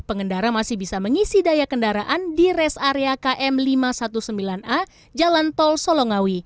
pengendara masih bisa mengisi daya kendaraan di res area km lima ratus sembilan belas a jalan tol solongawi